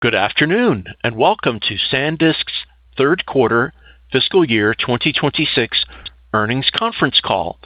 Good afternoon, and welcome to SanDisk's third quarter fiscal year 2026 earnings conference call.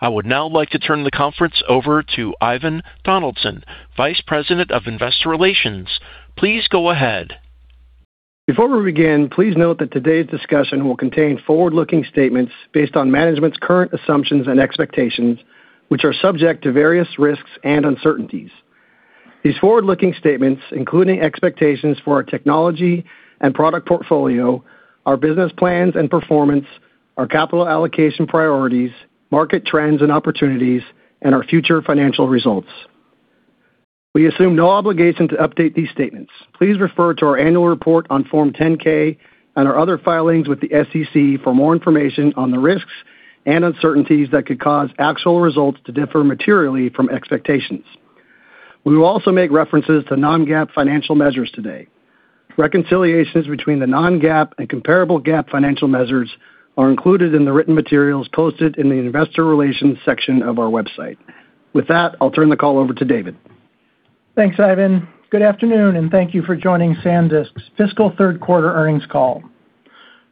I would now like to turn the conference over to Ivan Donaldson, Vice President of Investor Relations. Please go ahead. Before we begin, please note that today's discussion will contain forward-looking statements based on management's current assumptions and expectations, which are subject to various risks and uncertainties. These forward-looking statements, including expectations for our technology and product portfolio, our business plans and performance, our capital allocation priorities, market trends and opportunities, and our future financial results. We assume no obligation to update these statements. Please refer to our annual report on Form 10-K and our other filings with the SEC for more information on the risks and uncertainties that could cause actual results to differ materially from expectations. We will also make references to non-GAAP financial measures today. Reconciliations between the non-GAAP and comparable GAAP financial measures are included in the written materials posted in the Investor Relations section of our website. With that, I'll turn the call over to David Goeckeler. Thanks, Ivan. Good afternoon, and thank you for joining SanDisk's fiscal third quarter earnings call.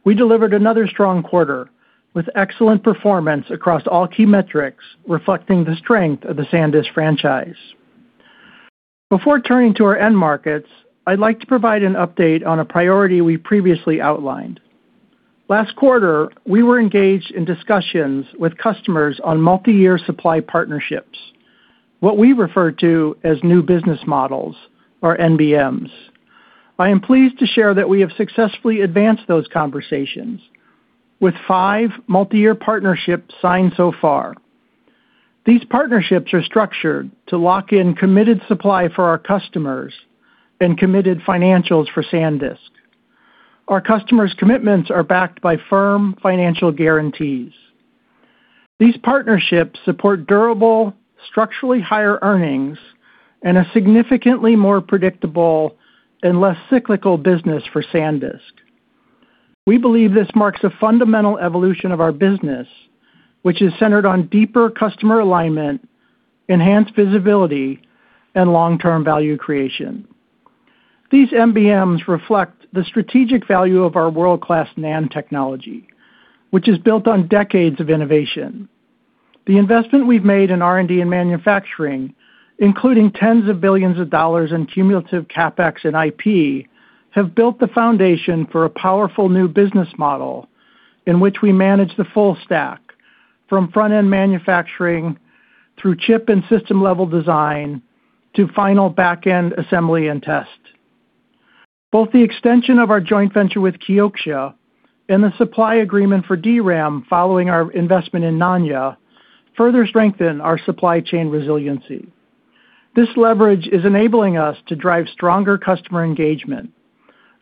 We delivered another strong quarter with excellent performance across all key metrics, reflecting the strength of the SanDisk franchise. Before turning to our end markets, I'd like to provide an update on a priority we previously outlined. Last quarter, we were engaged in discussions with customers on multi-year supply partnerships, what we refer to as new business models or NBMs. I am pleased to share that we have successfully advanced those conversations with five multi-year partnerships signed so far. These partnerships are structured to lock in committed supply for our customers and committed financials for SanDisk. Our customers' commitments are backed by firm financial guarantees. These partnerships support durable, structurally higher earnings and a significantly more predictable and less cyclical business for SanDisk. We believe this marks a fundamental evolution of our business, which is centered on deeper customer alignment, enhanced visibility, and long-term value creation. These NBMs reflect the strategic value of our world-class NAND technology, which is built on decades of innovation. The investment we've made in R&D and manufacturing, including tens of billions of dollars in cumulative CapEx and IP, have built the foundation for a powerful new business model in which we manage the full stack from front-end manufacturing through chip and system-level design to final back-end assembly and test. Both the extension of our joint venture with Kioxia Corporation and the supply agreement for DRAM following our investment in Nanya Technology further strengthen our supply chain resiliency. This leverage is enabling us to drive stronger customer engagement,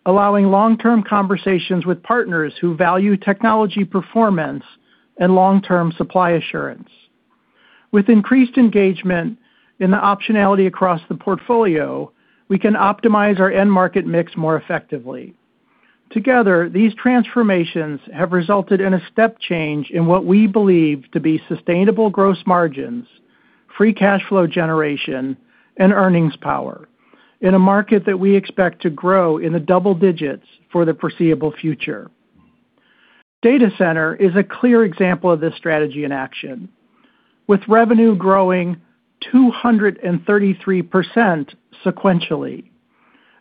allowing long-term conversations with partners who value technology performance and long-term supply assurance. With increased engagement in the optionality across the portfolio, we can optimize our end market mix more effectively. Together, these transformations have resulted in a step change in what we believe to be sustainable gross margins, free cash flow generation, and earnings power in a market that we expect to grow in the double digits for the foreseeable future. Data center is a clear example of this strategy in action, with revenue growing 233% sequentially.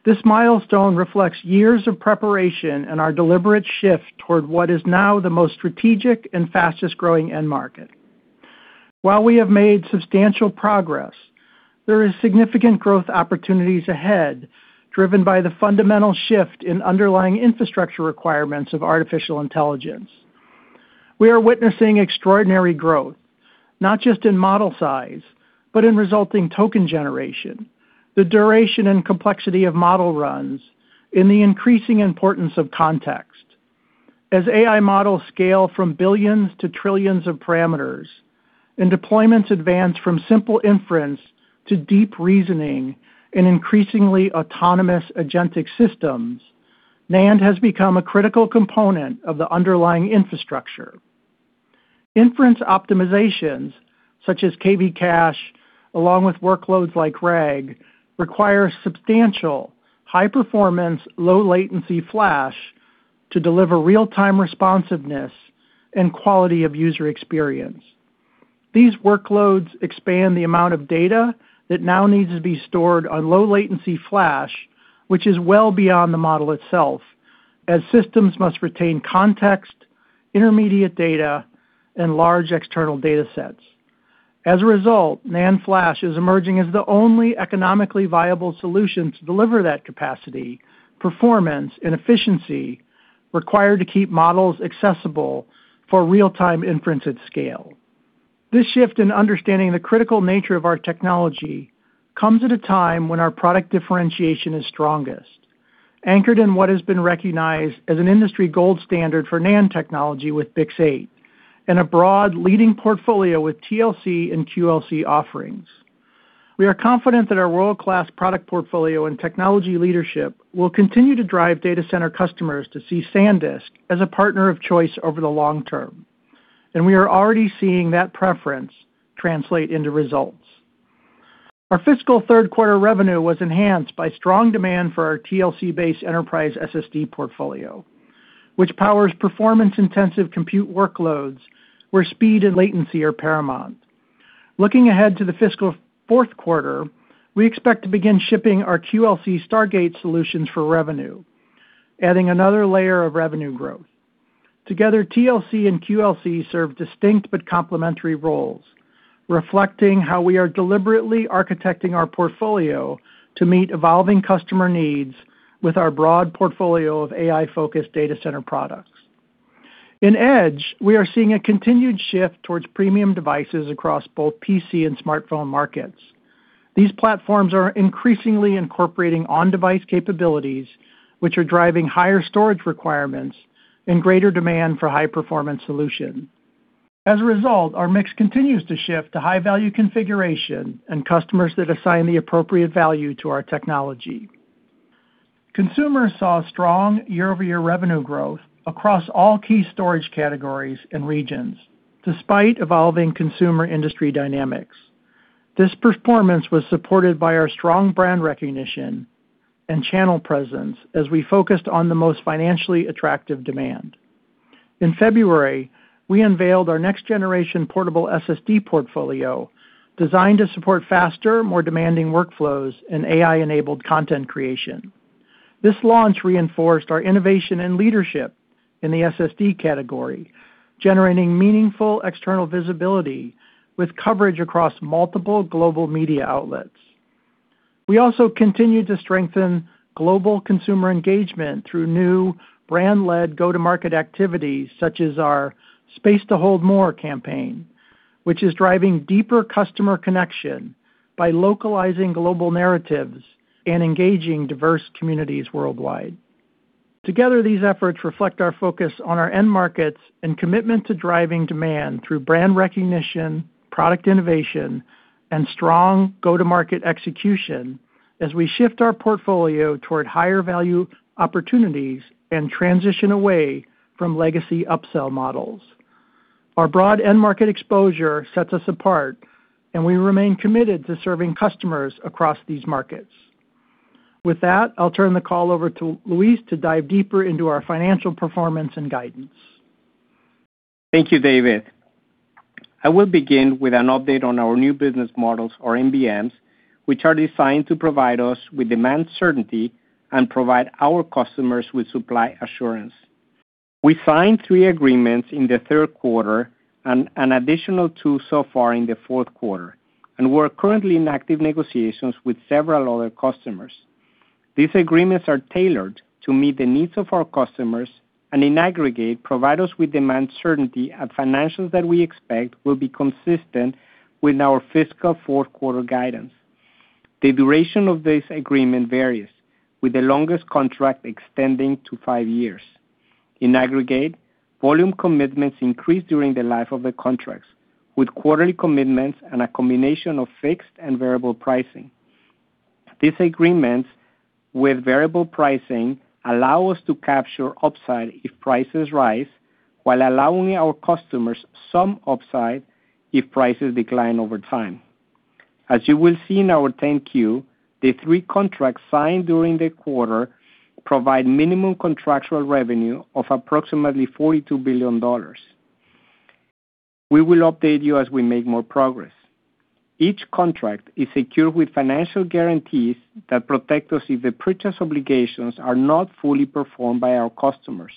This milestone reflects years of preparation and our deliberate shift toward what is now the most strategic and fastest-growing end market. While we have made substantial progress, there is significant growth opportunities ahead, driven by the fundamental shift in underlying infrastructure requirements of artificial intelligence. We are witnessing extraordinary growth, not just in model size, but in resulting token generation, the duration and complexity of model runs, and the increasing importance of context. As AI models scale from billions to trillions of parameters and deployments advance from simple inference to deep reasoning in increasingly autonomous agentic systems, NAND has become a critical component of the underlying infrastructure. Inference optimizations, such as KV cache, along with workloads like RAG, require substantial high performance, low latency flash to deliver real-time responsiveness and quality of user experience. These workloads expand the amount of data that now needs to be stored on low latency flash, which is well beyond the model itself, as systems must retain context, intermediate data, and large external datasets. As a result, NAND flash is emerging as the only economically viable solution to deliver that capacity, performance, and efficiency required to keep models accessible for real-time inference at scale. This shift in understanding the critical nature of our technology comes at a time when our product differentiation is strongest, anchored in what has been recognized as an industry gold standard for NAND technology with BiCS8, and a broad leading portfolio with TLC and QLC offerings. We are confident that our world-class product portfolio and technology leadership will continue to drive data center customers to see SanDisk as a partner of choice over the long term, and we are already seeing that preference translate into results. Our fiscal third quarter revenue was enhanced by strong demand for our TLC-based enterprise SSD portfolio, which powers performance intensive compute workloads where speed and latency are paramount. Looking ahead to the fiscal fourth quarter, we expect to begin shipping our QLC Stargate solutions for revenue, adding another layer of revenue growth. Together, TLC and QLC serve distinct but complementary roles, reflecting how we are deliberately architecting our portfolio to meet evolving customer needs with our broad portfolio of AI-focused data center products. In Edge, we are seeing a continued shift towards premium devices across both PC and smartphone markets. These platforms are increasingly incorporating on-device capabilities, which are driving higher storage requirements and greater demand for high-performance solution. As a result, our mix continues to shift to high-value configuration and customers that assign the appropriate value to our technology. Consumers saw strong year-over-year revenue growth across all key storage categories and regions, despite evolving consumer industry dynamics. This performance was supported by our strong brand recognition and channel presence as we focused on the most financially attractive demand. In February, we unveiled our next generation portable SSD portfolio designed to support faster, more demanding workflows and AI-enabled content creation. This launch reinforced our innovation and leadership in the SSD category, generating meaningful external visibility with coverage across multiple global media outlets. We also continued to strengthen global consumer engagement through new brand-led go-to-market activities such as our Space to Hold More campaign, which is driving deeper customer connection by localizing global narratives and engaging diverse communities worldwide. Together, these efforts reflect our focus on our end markets and commitment to driving demand through brand recognition, product innovation, and strong go-to-market execution as we shift our portfolio toward higher value opportunities and transition away from legacy upsell models. Our broad end market exposure sets us apart, and we remain committed to serving customers across these markets. With that, I'll turn the call over to Luis to dive deeper into our financial performance and guidance. Thank you, David. I will begin with an update on our new business models or NBMs, which are designed to provide us with demand certainty and provide our customers with supply assurance. We signed three agreements in the third quarter and additional two so far in the fourth quarter, and we're currently in active negotiations with several other customers. These agreements are tailored to meet the needs of our customers, and in aggregate, provide us with demand certainty at financials that we expect will be consistent with our fiscal fourth quarter guidance. The duration of this agreement varies, with the longest contract extending to five years. In aggregate, volume commitments increase during the life of the contracts with quarterly commitments and a combination of fixed and variable pricing. These agreements with variable pricing allow us to capture upside if prices rise, while allowing our customers some upside if prices decline over time. As you will see in our 10-Q, the three contracts signed during the quarter provide minimum contractual revenue of approximately $42 billion. We will update you as we make more progress. Each contract is secured with financial guarantees that protect us if the purchase obligations are not fully performed by our customers.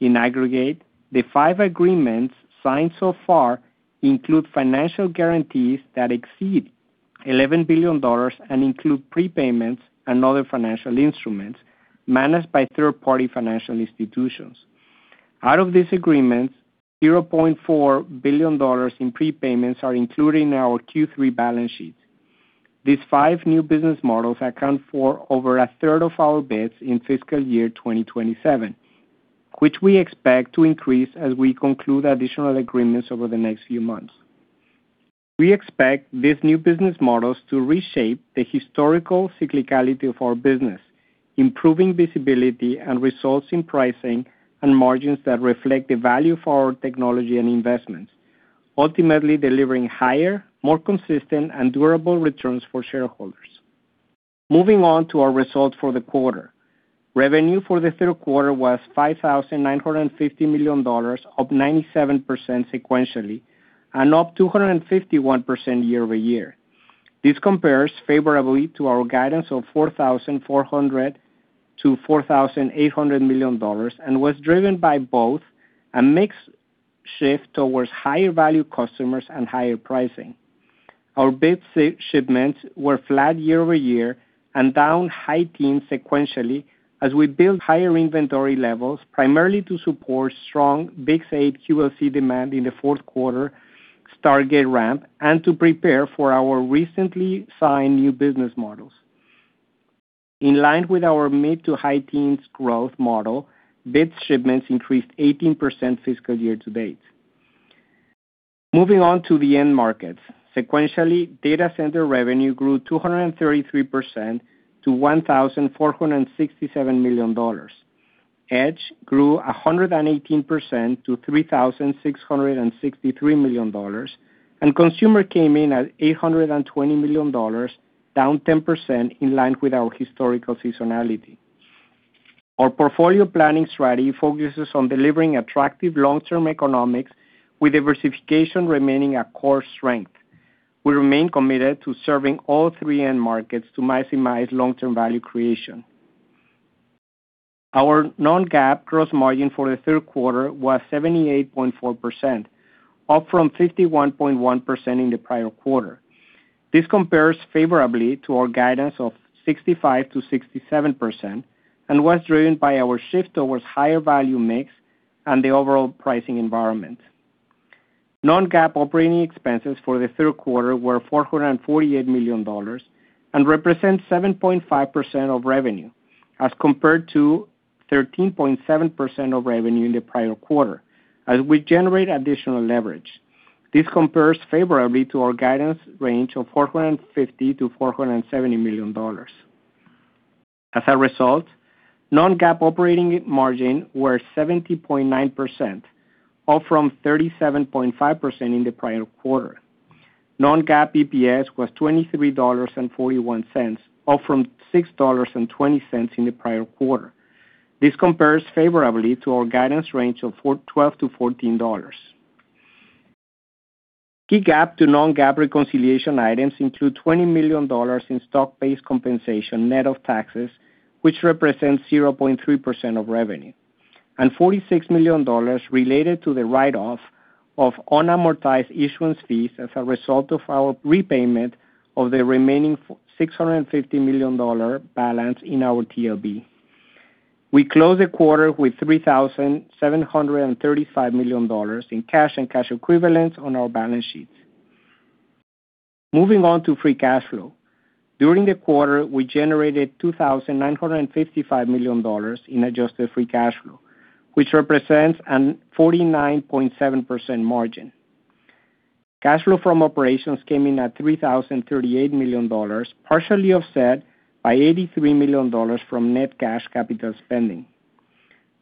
In aggregate, the five agreements signed so far include financial guarantees that exceed $11 billion and include prepayments and other financial instruments managed by third-party financial institutions. Out of these agreements, $0.4 billion in prepayments are included in our Q3 balance sheet. These five new business models account for over a third of our bits in fiscal year 2027, which we expect to increase as we conclude additional agreements over the next few months. We expect these new business models to reshape the historical cyclicality of our business, improving visibility and results in pricing and margins that reflect the value for our technology and investments, ultimately delivering higher, more consistent, and durable returns for shareholders. Moving on to our results for the quarter. Revenue for the third quarter was $5,950 million, up 97% sequentially and up 251% year-over-year. This compares favorably to our guidance of $4,400 million-$4,800 million and was driven by both a mix shift towards higher value customers and higher pricing. Our BiCS8 shipments were flat year-over-year and down high teens sequentially as we build higher inventory levels primarily to support strong BiCS8 QLC demand in the fourth quarter Stargate ramp and to prepare for our recently signed new business models. In line with our mid to high teens growth model, BiCS shipments increased 18% fiscal year-to-date. Moving on to the end markets. Sequentially, data center revenue grew 233% to $1,467 million. Edge grew 118% to $3,663 million, and consumer came in at $820 million, down 10% in line with our historical seasonality. Our portfolio planning strategy focuses on delivering attractive long-term economics with diversification remaining a core strength. We remain committed to serving all three end markets to maximize long-term value creation. Our non-GAAP gross margin for the third quarter was 78.4%, up from 51.1% in the prior quarter. This compares favorably to our guidance of 65%-67% and was driven by our shift towards higher value mix and the overall pricing environment. Non-GAAP operating expenses for the third quarter were $448 million and represents 7.5% of revenue as compared to 13.7% of revenue in the prior quarter as we generate additional leverage. This compares favorably to our guidance range of $450 million-$470 million. As a result, non-GAAP operating margin were 70.9%, up from 37.5% in the prior quarter. Non-GAAP EPS was $23.41, up from $6.20 in the prior quarter. This compares favorably to our guidance range of $12-$14. Key GAAP to non-GAAP reconciliation items include $20 million in stock-based compensation net of taxes, which represents 0.3% of revenue, and $46 million related to the write-off of unamortized issuance fees as a result of our repayment of the remaining $650 million balance in our TOB. We closed the quarter with $3,735 million in cash and cash equivalents on our balance sheets. Moving on to free cash flow. During the quarter, we generated $2,955 million in adjusted free cash flow, which represents a 49.7% margin. Cash flow from operations came in at $3,038 million, partially offset by $83 million from net cash capital spending.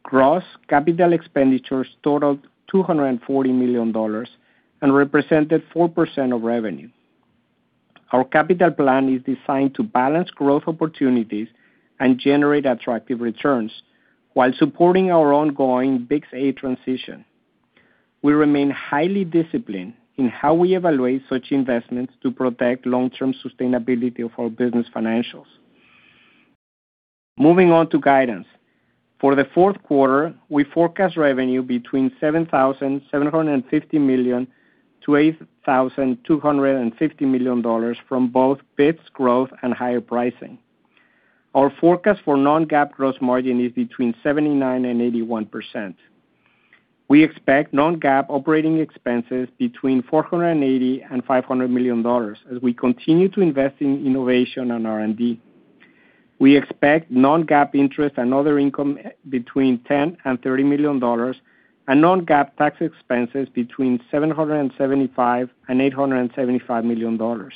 Gross capital expenditures totaled $240 million and represented 4% of revenue. Our capital plan is designed to balance growth opportunities and generate attractive returns while supporting our ongoing BiCS8 transition. We remain highly disciplined in how we evaluate such investments to protect long-term sustainability of our business financials. Moving on to guidance. For the fourth quarter, we forecast revenue between $7,750 million-$8,250 million from both bits growth and higher pricing. Our forecast for non-GAAP gross margin is between 79% and 81%. We expect non-GAAP operating expenses between $480 million and $500 million as we continue to invest in innovation and R&D. We expect non-GAAP interest and other income between $10 million and $30 million and non-GAAP tax expenses between $775 million and $875 million.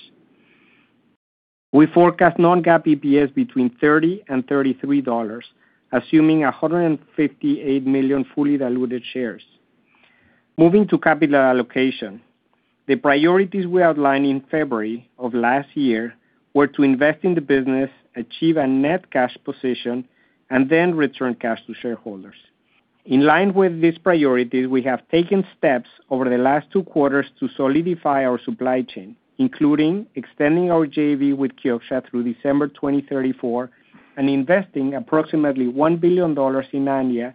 We forecast non-GAAP EPS between $30 and $33, assuming 158 million fully diluted shares. Moving to capital allocation. The priorities we outlined in February of last year were to invest in the business, achieve a net cash position, and then return cash to shareholders. In line with these priorities, we have taken steps over the last two quarters to solidify our supply chain, including extending our JV with Kioxia Corporation through December 2034 and investing approximately $1 billion in Nanya Technology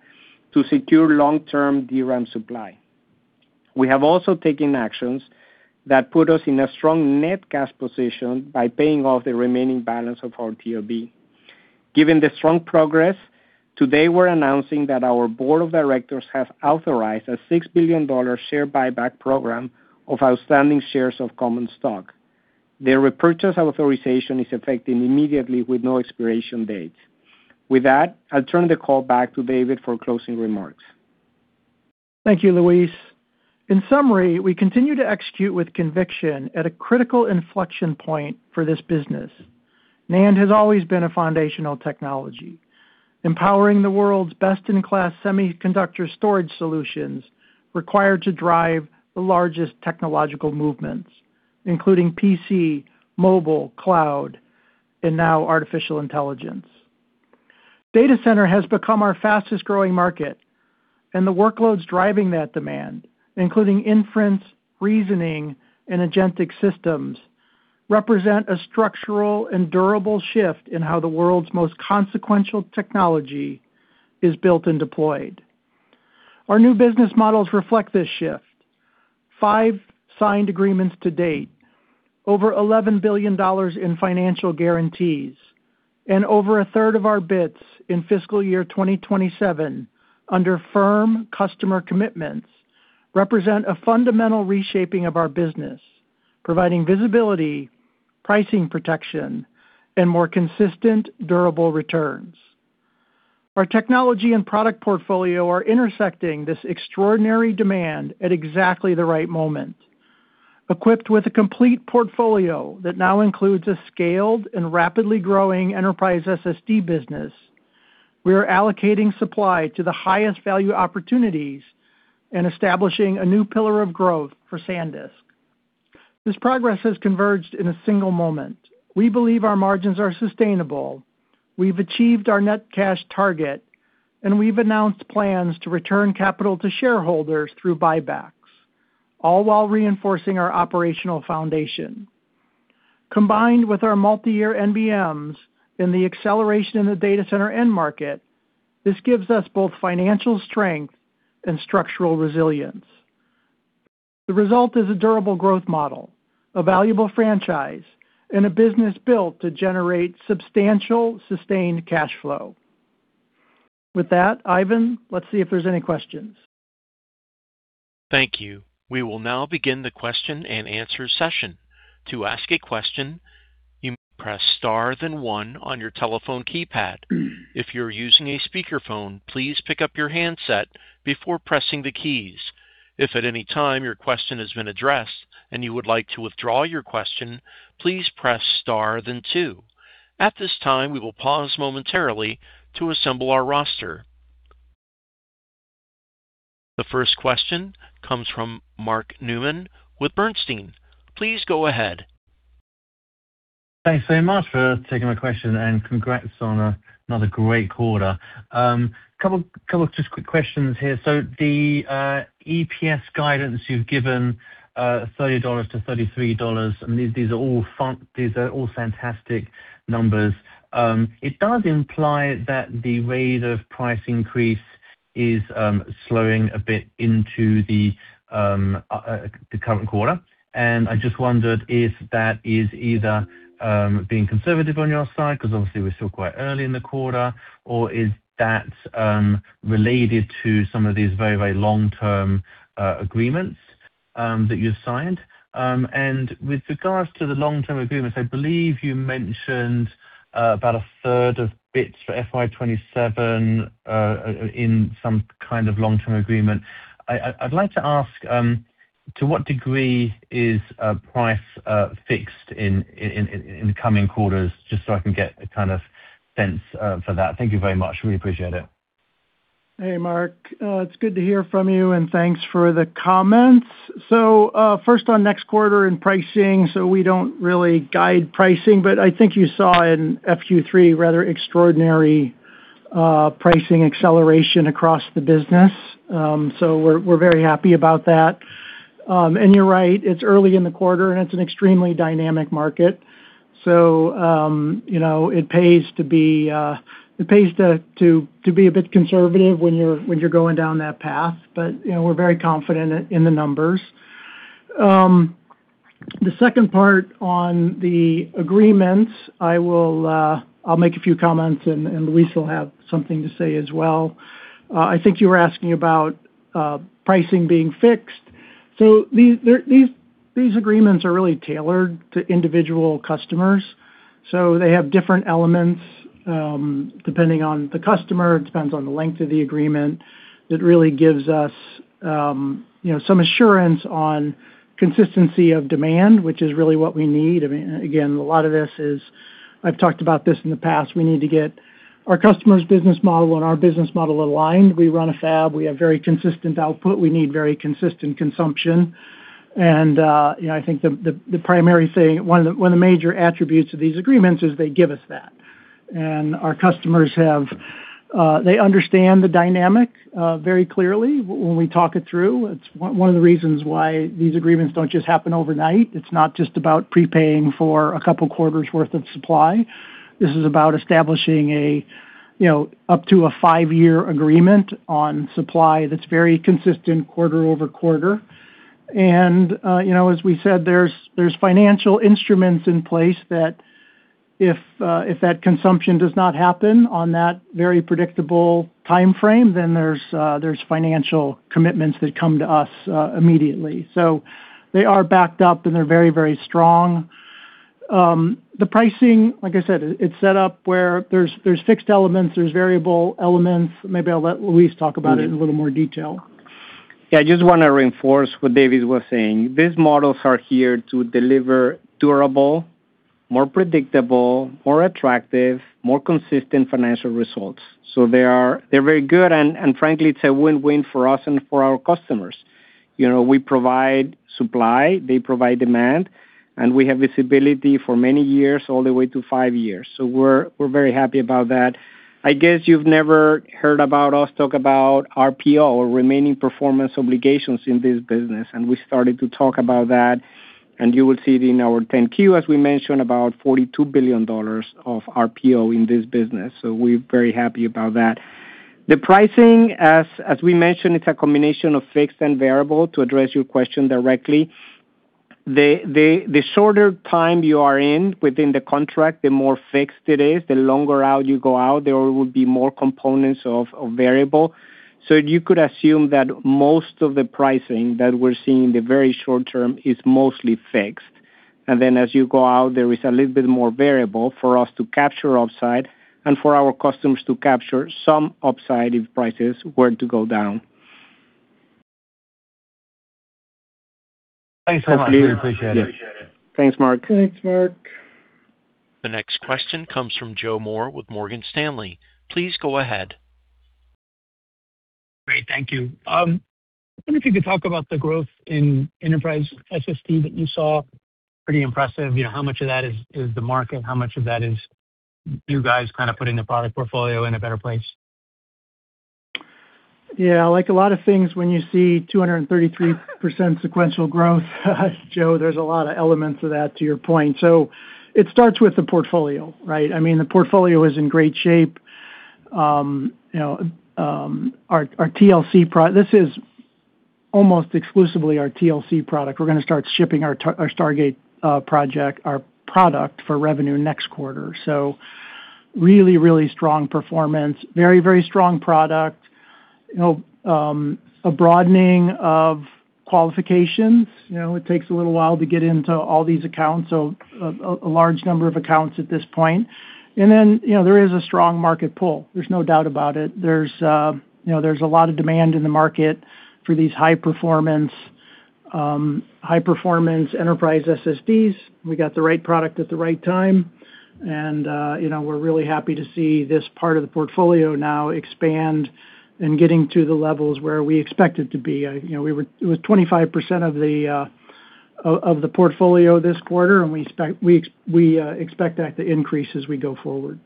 to secure long-term DRAM supply. We have also taken actions that put us in a strong net cash position by paying off the remaining balance of our TOB. Given the strong progress, today we're announcing that our board of directors have authorized a $6 billion share buyback program of outstanding shares of common stock. The repurchase authorization is effective immediately with no expiration date. With that, I'll turn the call back to David for closing remarks. Thank you, Luis. In summary, we continue to execute with conviction at a critical inflection point for this business. NAND has always been a foundational technology, empowering the world's best-in-class semiconductor storage solutions required to drive the largest technological movements, including PC, mobile, cloud, and now artificial intelligence. Data center has become our fastest-growing market, and the workloads driving that demand, including inference, reasoning, and agentic systems, represent a structural and durable shift in how the world's most consequential technology is built and deployed. Our new business models reflect this shift. Five signed agreements to date, over $11 billion in financial guarantees, and over a third of our bits in fiscal year 2027 under firm customer commitments represent a fundamental reshaping of our business, providing visibility, pricing protection, and more consistent, durable returns. Our technology and product portfolio are intersecting this extraordinary demand at exactly the right moment. Equipped with a complete portfolio that now includes a scaled and rapidly growing enterprise SSD business, we are allocating supply to the highest value opportunities and establishing a new pillar of growth for SanDisk. This progress has converged in a single moment. We believe our margins are sustainable. We've achieved our net cash target, and we've announced plans to return capital to shareholders through buybacks, all while reinforcing our operational foundation. Combined with our multi-year NBMs and the acceleration in the data center end market, this gives us both financial strength and structural resilience. The result is a durable growth model, a valuable franchise, and a business built to generate substantial sustained cash flow. With that, Ivan, let's see if there's any questions. Thank you. We will now begin the question and answer session. To ask a question, you may press star then one on your telephone keypad. If you're using a speakerphone, please pick up your handset before pressing the keys. If at any time your question has been addressed and you would like to withdraw your question, please press star then two. At this time, we will pause momentarily to assemble our roster. The first question comes from Mark C. Newman with Bernstein Research. Please go ahead. Thanks so much for taking my question, and congrats on another great quarter. Couple of just quick questions here. The EPS guidance you've given, $30-$33, these are all fantastic numbers. It does imply that the rate of price increase is slowing a bit into the current quarter. I just wondered if that is either being conservative on your side because obviously we're still quite early in the quarter, or is that related to some of these very long-term agreements that you've signed? With regards to the long-term agreements, I believe you mentioned about a third of bits for FY 2027 in some kind of long-term agreement. I'd like to ask, to what degree is price fixed in the coming quarters, just so I can get a kind of sense for that. Thank you very much. Really appreciate it. Hey, Mark. It's good to hear from you, and thanks for the comments. First on next quarter and pricing, so we don't really guide pricing. I think you saw in FQ 3 rather extraordinary pricing acceleration across the business. We're very happy about that. You're right, it's early in the quarter, and it's an extremely dynamic market. You know, it pays to be, it pays to be a bit conservative when you're going down that path. You know, we're very confident in the numbers. The second part on the agreements, I will, I'll make a few comments and Luis will have something to say as well. I think you were asking about pricing being fixed. These agreements are really tailored to individual customers, so they have different elements, depending on the customer. It depends on the length of the agreement. It really gives us, you know, some assurance on consistency of demand, which is really what we need. I mean, again, a lot of this is. I've talked about this in the past. We need to get our customer's business model and our business model aligned. We run a fab. We have very consistent output. We need very consistent consumption. You know, I think the primary thing, one of the major attributes of these agreements is they give us that. Our customers have, they understand the dynamic very clearly when we talk it through. It's one of the reasons why these agreements don't just happen overnight. It's not just about prepaying for a couple quarters worth of supply. This is about establishing a, you know, up to a five-year agreement on supply that's very consistent quarter-over-quarter. You know, as we said, there's financial instruments in place that if that consumption does not happen on that very predictable timeframe, then there's financial commitments that come to us, immediately. They are backed up, and they're very, very strong. The pricing, like I said, it's set up where there's fixed elements, there's variable elements. Maybe I'll let Luis talk about it in a little more detail. Yeah. I just wanna reinforce what David was saying. These models are here to deliver durable, more predictable, more attractive, more consistent financial results. They're very good, and frankly, it's a win-win for us and for our customers. You know, we provide supply, they provide demand, and we have visibility for many years, all the way to five years. We're very happy about that. I guess you've never heard about us talk about RPO or Remaining Performance Obligations in this business, and we started to talk about that. You will see it in our 10-Q, as we mentioned, about $42 billion of RPO in this business. We're very happy about that. The pricing, as we mentioned, it's a combination of fixed and variable to address your question directly. The shorter time you are in within the contract, the more fixed it is. The longer out you go, there will be more components of variable. You could assume that most of the pricing that we're seeing in the very short term is mostly fixed. As you go out, there is a little bit more variable for us to capture upside and for our customers to capture some upside if prices were to go down. Thanks so much. We appreciate it. Yes. Thanks, Mark. Thanks, Mark. The next question comes from Joseph Moore with Morgan Stanley. Please go ahead. Great. Thank you. I wonder if you could talk about the growth in enterprise SSD that you saw. Pretty impressive. You know, how much of that is the market? How much of that is you guys kind of putting the product portfolio in a better place? Yeah. Like a lot of things, when you see 233% sequential growth, Joseph Moore, there's a lot of elements of that to your point. It starts with the portfolio, right? I mean, the portfolio is in great shape. You know, this is almost exclusively our TLC product. We're gonna start shipping our Stargate project, our product for revenue next quarter. Really, really strong performance. Very, very strong product. You know, a broadening of qualifications. You know, it takes a little while to get into all these accounts. A large number of accounts at this point. You know, there is a strong market pull. There's no doubt about it. There's, you know, there's a lot of demand in the market for these high performance, high performance enterprise SSDs. We got the right product at the right time. You know, we're really happy to see this part of the portfolio now expand and getting to the levels where we expect it to be. You know, it was 25% of the portfolio this quarter, and we expect that to increase as we go forward.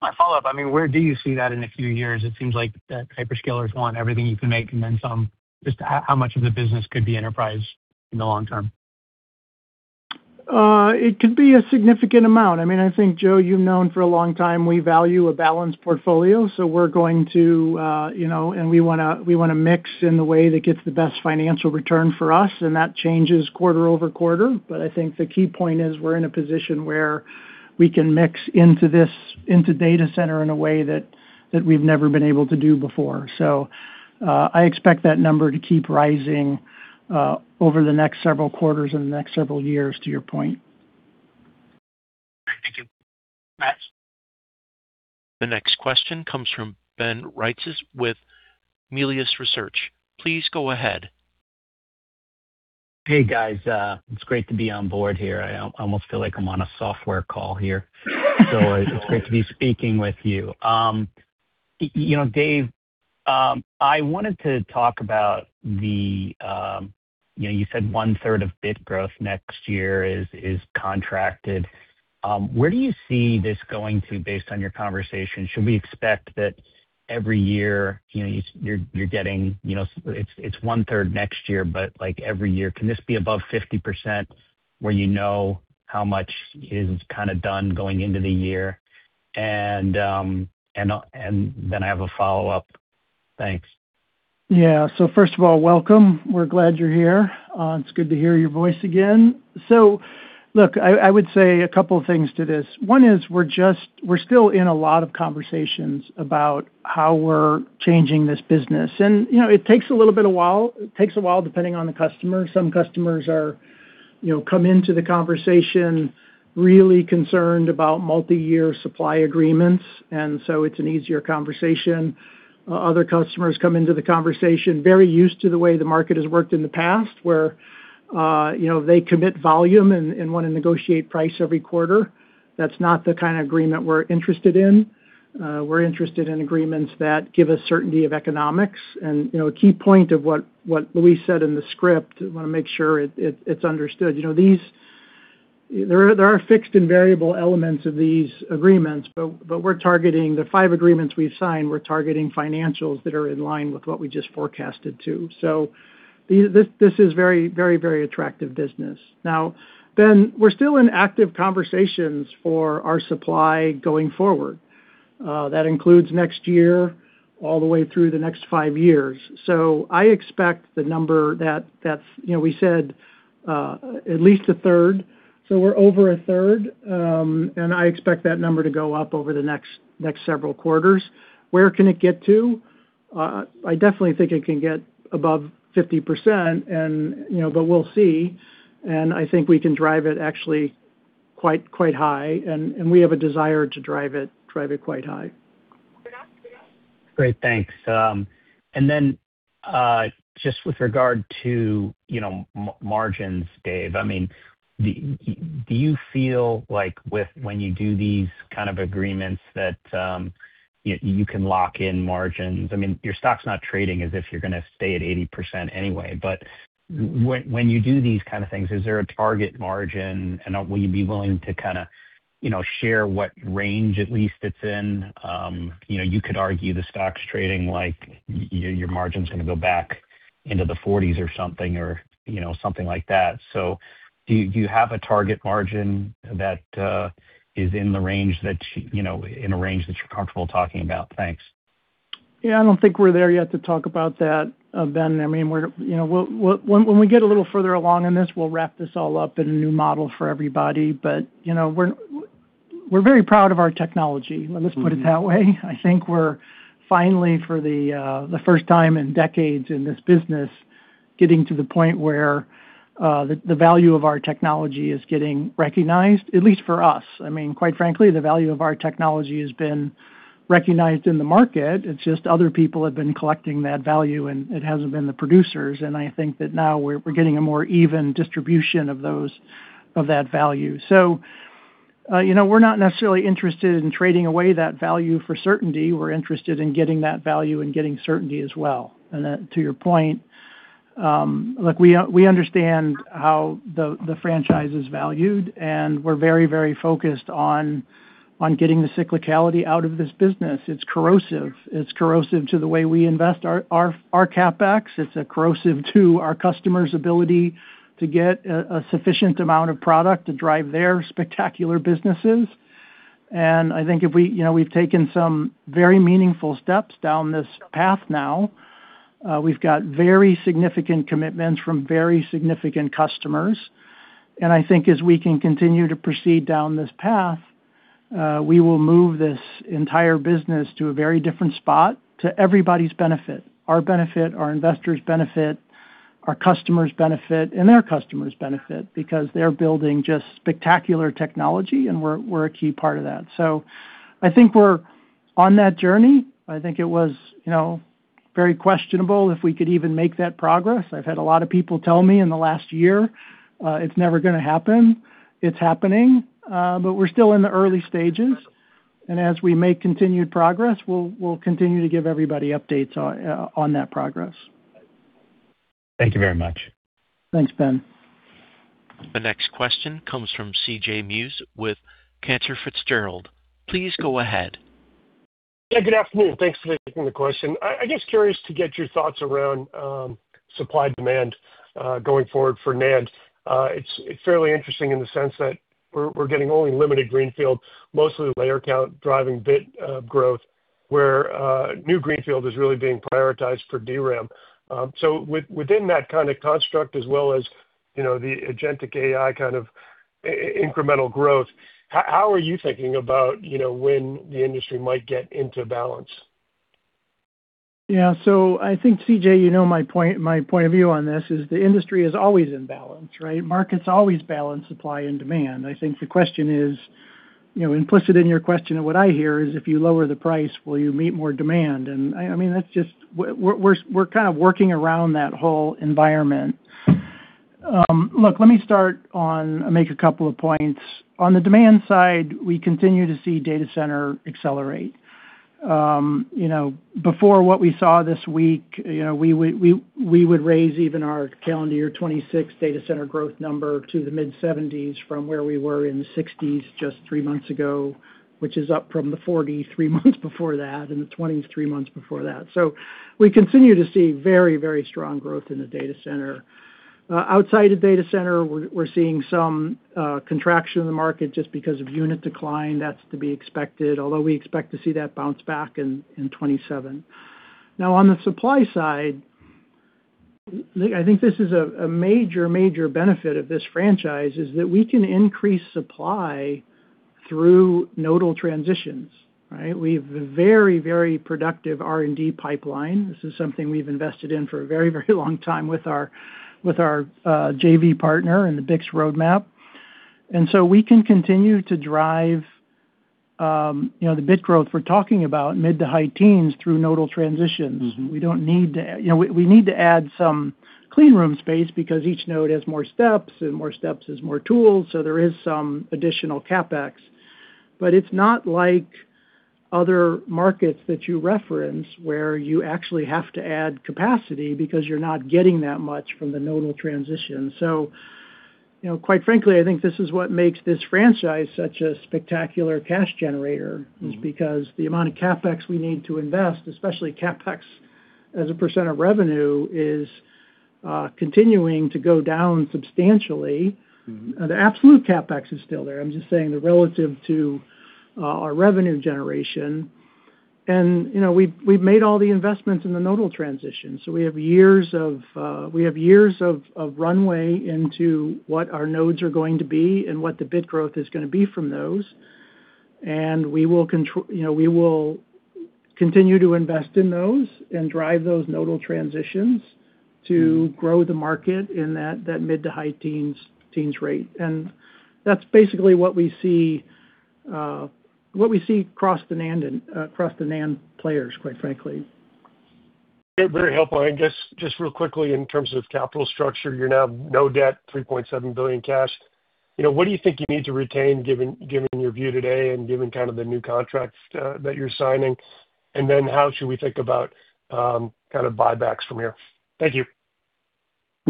My follow-up, I mean, where do you see that in a few years? It seems like the hyperscalers want everything you can make and then some. Just how much of the business could be enterprise in the long term? It could be a significant amount. I mean, I think, Joe, you've known for a long time we value a balanced portfolio, we're going to, you know, and we wanna mix in the way that gets the best financial return for us, and that changes quarter-over-quarter. I think the key point is we're in a position where we can mix into this, into data center in a way that we've never been able to do before. I expect that number to keep rising over the next several quarters and the next several years, to your point. All right. Thank you. Thanks. The next question comes from Ben Reitzes with Melius Research. Please go ahead. Hey, guys. It's great to be on board here. I almost feel like I'm on a software call here. It's great to be speaking with you. You know, David, I wanted to talk about the, you know, you said one-third of bit growth next year is contracted. Where do you see this going to based on your conversation? Should we expect that every year, you know, you're getting, you know, it's one-third next year, but, like, every year, can this be above 50% where you know how much is kinda done going into the year? Then I have a follow-up. Thanks. Yeah. First of all, welcome. We're glad you're here. It's good to hear your voice again. Look, I would say two things to this. One is we're still in a lot of conversations about how we're changing this business. You know, it takes a little bit of while. It takes a while depending on the customer. Some customers are, you know, come into the conversation really concerned about multi-year supply agreements, it's an easier conversation. Other customers come into the conversation very used to the way the market has worked in the past, where, you know, they commit volume and wanna negotiate price every quarter. That's not the kind of agreement we're interested in. We're interested in agreements that give us certainty of economics. You know, a key point of what Luis said in the script, I want to make sure it's understood. You know, there are fixed and variable elements of these agreements, but we're targeting the five agreements we've signed. We're targeting financials that are in line with what we just forecasted too. This is very attractive business. Now, Ben, we're still in active conversations for our supply going forward. That includes next year all the way through the next five years. I expect the number that's, you know, we said, at least a third. We're over a third, and I expect that number to go up over the next several quarters. Where can it get to? I definitely think it can get above 50% and, you know, but we'll see. I think we can drive it actually quite high, and we have a desire to drive it quite high. Great. Thanks. And then, just with regard to, you know, margins, David, I mean, do you feel like when you do these kind of agreements that, you can lock in margins? I mean, your stock's not trading as if you're gonna stay at 80% anyway. But when you do these kind of things, is there a target margin? And will you be willing to kinda, you know, share what range at least it's in? Into the forties or something or, you know, something like that. Do you have a target margin that is in the range that you know, in a range that you're comfortable talking about? Thanks. Yeah. I don't think we're there yet to talk about that, Ben. I mean, we're, you know, when we get a little further along in this, we'll wrap this all up in a new model for everybody. You know, we're very proud of our technology. Let's put it that way. I think we're finally, for the first time in decades in this business, getting to the point where the value of our technology is getting recognized, at least for us. I mean, quite frankly, the value of our technology has been recognized in the market. It's just other people have been collecting that value, and it hasn't been the producers. I think that now we're getting a more even distribution of that value. You know, we're not necessarily interested in trading away that value for certainty. We're interested in getting that value and getting certainty as well. That, to your point, look, we understand how the franchise is valued, and we're very, very focused on getting the cyclicality out of this business. It's corrosive. It's corrosive to the way we invest our CapEx. It's corrosive to our customers' ability to get a sufficient amount of product to drive their spectacular businesses. I think if we, you know, we've taken some very meaningful steps down this path now. We've got very significant commitments from very significant customers. I think as we can continue to proceed down this path, we will move this entire business to a very different spot to everybody's benefit, our benefit, our investors' benefit, our customers' benefit, and their customers' benefit, because they're building just spectacular technology, and we're a key part of that. I think we're on that journey. I think it was, you know, very questionable if we could even make that progress. I've had a lot of people tell me in the last year, it's never gonna happen. It's happening. We're still in the early stages. As we make continued progress, we'll continue to give everybody updates on that progress. Thank you very much. Thanks, Ben. The next question comes from C.J. Muse with Cantor Fitzgerald. Please go ahead. Yeah, good afternoon. Thanks for taking the question. I guess curious to get your thoughts around supply demand going forward for NAND. It's fairly interesting in the sense that we're getting only limited greenfield, mostly layer count driving bit growth, where new greenfield is really being prioritized for DRAM. Within that kinda construct, as well as, you know, the agentic AI kind of incremental growth, how are you thinking about, you know, when the industry might get into balance? Yeah. I think, C.J., you know my point of view on this is the industry is always in balance, right? Markets always balance supply and demand. I think the question is, you know, implicit in your question and what I hear is if you lower the price, will you meet more demand? I mean, we're kind of working around that whole environment. Look, let me make a couple of points. On the demand side, we continue to see data center accelerate. You know, before what we saw this week, you know, we would raise even our calendar year 2026 data center growth number to the mid-70s from where we were in the 60s just three months ago, which is up from the 40s three months before that and the 20s three months before that. We continue to see very strong growth in the data center. Outside of data center, we're seeing some contraction in the market just because of unit decline. That's to be expected, although we expect to see that bounce back in 2027. On the supply side, I think this is a major benefit of this franchise, is that we can increase supply through nodal transitions, right? We have a very productive R&D pipeline. This is something we've invested in for a very long time with our JV partner and the BiCS8 roadmap. We can continue to drive, you know, the bit growth we're talking about, mid-to-high teens, through nodal transitions. You know, we need to add some clean room space because each node has more steps, and more steps is more tools, there is some additional CapEx. It's not like other markets that you reference, where you actually have to add capacity because you're not getting that much from the nodal transition. You know, quite frankly, I think this is what makes this franchise such a spectacular cash generator. Mm-hmm. Is because the amount of CapEx we need to invest, especially CapEx as a percent of revenue, is continuing to go down substantially. Mm-hmm. The absolute CapEx is still there. I'm just saying that relative to our revenue generation. You know, we've made all the investments in the nodal transition. We have years of runway into what our nodes are going to be and what the bit growth is gonna be from those. You know, we will continue to invest in those and drive those nodal transitions to grow the market in that mid to high teens rate. That's basically what we see across the NAND players, quite frankly. Very helpful. Just real quickly in terms of capital structure, you're now no debt, $3.7 billion cash. You know, what do you think you need to retain given your view today and given kind of the new contracts that you're signing? Then how should we think about kind of buybacks from here? Thank you.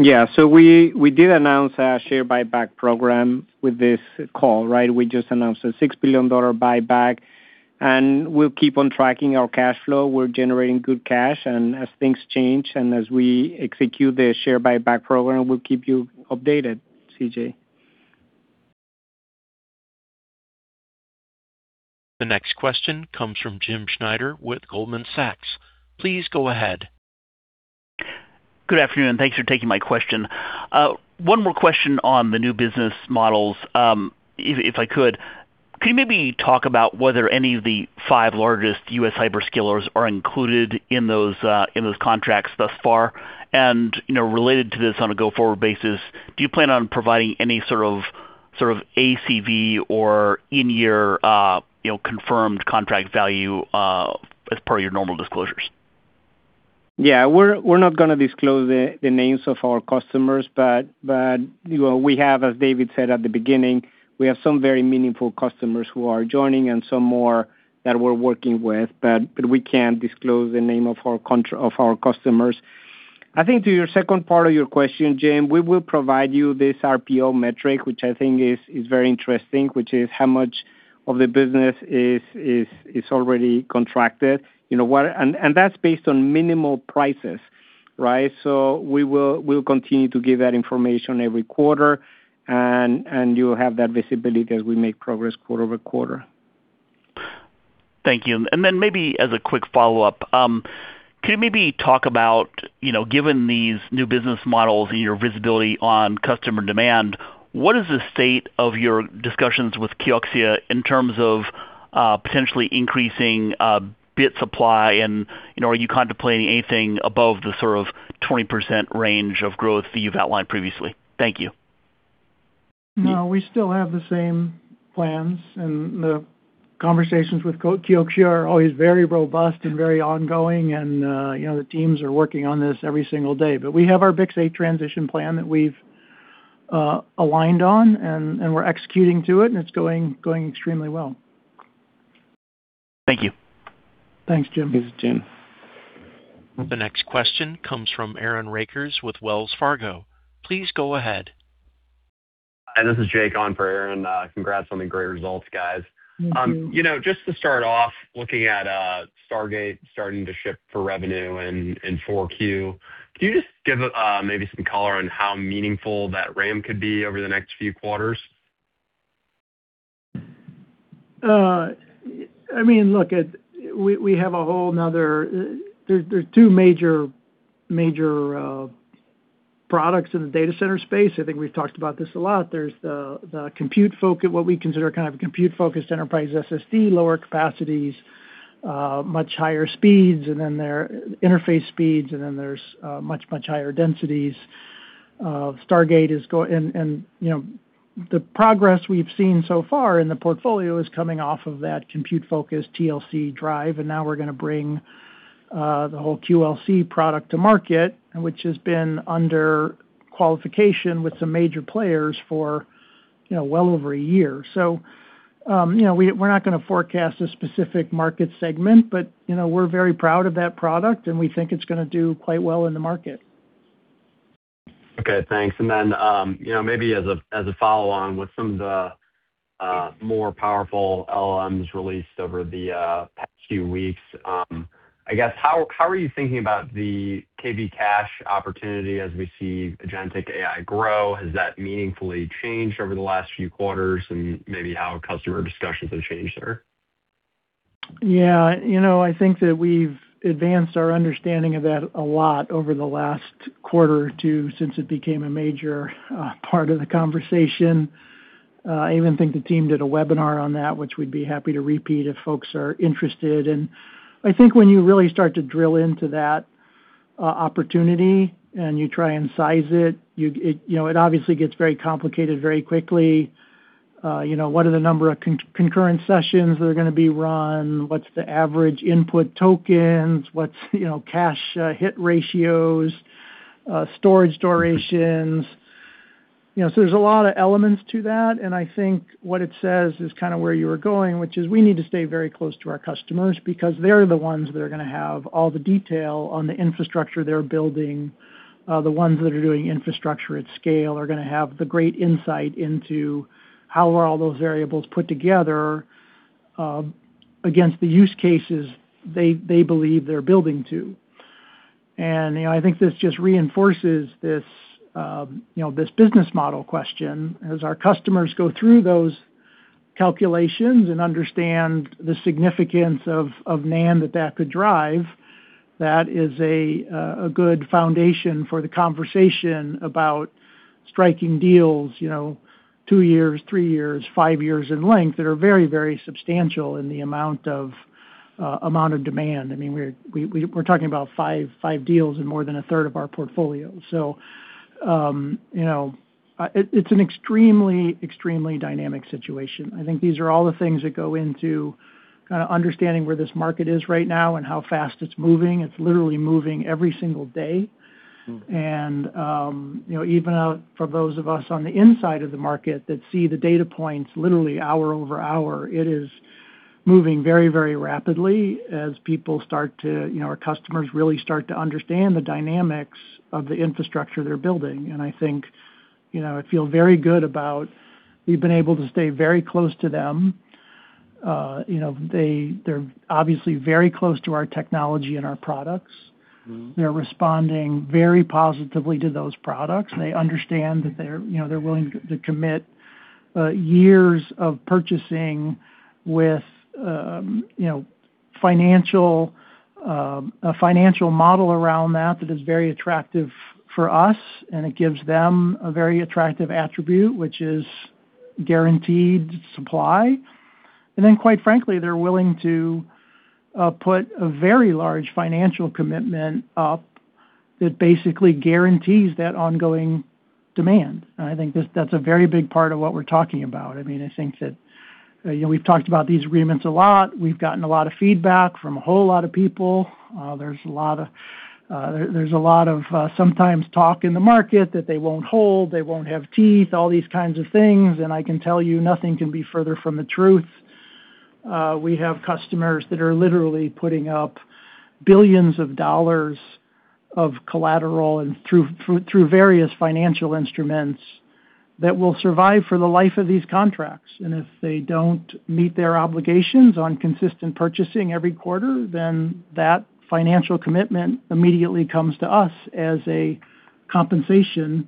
We did announce a share buyback program with this call, right? We just announced a $6 billion buyback, and we'll keep on tracking our cash flow. We're generating good cash. As things change and as we execute the share buyback program, we'll keep you updated, C.J. The next question comes from Jim Schneider with Goldman Sachs. Please go ahead. Good afternoon. Thanks for taking my question. One more question on the new business models, if I could. Can you maybe talk about whether any of the five largest U.S. hyperscalers are included in those in those contracts thus far? You know, related to this on a go-forward basis, do you plan on providing any sort of ACV or in year, you know, confirmed contract value, as per your normal disclosures? Yeah. We're not gonna disclose the names of our customers, but, you know, we have, as David said at the beginning, we have some very meaningful customers who are joining and some more that we're working with, but we can't disclose the name of our customers. I think to your second part of your question, Jim, we will provide you this RPO metric, which I think is very interesting, which is how much of the business is already contracted. You know, that's based on minimal prices, right? We'll continue to give that information every quarter, and you'll have that visibility as we make progress quarter-over-quarter. Thank you. Maybe as a quick follow-up, can you maybe talk about, you know, given these new business models and your visibility on customer demand, what is the state of your discussions with Kioxia Corporation in terms of potentially increasing bit supply? You know, are you contemplating anything above the sort of 20% range of growth that you've outlined previously? Thank you. No, we still have the same plans, and the conversations with Kioxia Corporation are always very robust and very ongoing and, you know, the teams are working on this every single day. We have our BiCS8 transition plan that we've aligned on and we're executing to it, and it's going extremely well. Thank you. Thanks, Jim. Thanks, Jim. The next question comes from Aaron Rakers with Wells Fargo. Please go ahead. Hi, this is Jake on for Aaron. Congrats on the great results, guys. Thank you. You know, just to start off, looking at Stargate starting to ship for revenue in 4Q, can you just give maybe some color on how meaningful that RAM could be over the next few quarters? We have a whole another. There's two major products in the data center space. I think we've talked about this a lot. There's the compute focus, what we consider kind of a compute-focused enterprise SSD, lower capacities, much higher speeds, and then there are interface speeds, and then there's much higher densities. Stargate, you know, the progress we've seen so far in the portfolio is coming off of that compute-focused TLC drive. Now we're gonna bring the whole QLC product to market, which has been under qualification with some major players for, you know, well over a year. You know, we're not gonna forecast a specific market segment, but, you know, we're very proud of that product, and we think it's gonna do quite well in the market. Okay, thanks. You know, maybe as a, as a follow-on with some of the more powerful LLMs released over the past few weeks, I guess how are you thinking about the KV cache opportunity as we see agentic AI grow? Has that meaningfully changed over the last few quarters and maybe how customer discussions have changed there? Yeah. You know, I think that we've advanced our understanding of that a lot over the last quarter or two since it became a major part of the conversation. I even think the team did a webinar on that, which we'd be happy to repeat if folks are interested. I think when you really start to drill into that opportunity and you try and size it, you know, it obviously gets very complicated very quickly. You know, what are the number of concurrent sessions that are gonna be run? What's the average input tokens? What's, you know, cache hit ratios, storage durations? You know, there's a lot of elements to that, and I think what it says is kinda where you were going, which is we need to stay very close to our customers because they're the ones that are gonna have all the detail on the infrastructure they're building. The ones that are doing infrastructure at scale are gonna have the great insight into how are all those variables put together against the use cases they believe they're building to. You know, I think this just reinforces this, you know, this business model question. As our customers go through those calculations and understand the significance of NAND that could drive, that is a good foundation for the conversation about striking deals, you know, two years, three years, five years in length that are very, very substantial in the amount of demand. I mean, we're talking about five deals in more than a third of our portfolio. You know, it's an extremely dynamic situation. I think these are all the things that go into kinda understanding where this market is right now and how fast it's moving. It's literally moving every single day. You know, even for those of us on the inside of the market that see the data points literally hour over hour, it is moving very, very rapidly as people start to, you know, our customers really start to understand the dynamics of the infrastructure they're building. I think, you know, I feel very good about we've been able to stay very close to them. You know, they're obviously very close to our technology and our products. Mm-hmm. They're responding very positively to those products. They understand that they're, you know, they're willing to commit years of purchasing with, you know, a financial model around that that is very attractive for us, and it gives them a very attractive attribute, which is guaranteed supply. Quite frankly, they're willing to put a very large financial commitment up that basically guarantees that ongoing demand. I think that's a very big part of what we're talking about. I mean, I think that, you know, we've talked about these agreements a lot. We've gotten a lot of feedback from a whole lot of people. There's a lot of sometimes talk in the market that they won't hold, they won't have teeth, all these kinds of things. I can tell you nothing can be further from the truth. We have customers that are literally putting up billions of dollars of collateral and through various financial instruments that will survive for the life of these contracts. If they don't meet their obligations on consistent purchasing every quarter, then that financial commitment immediately comes to us as a compensation